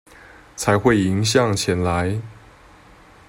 才會迎向前來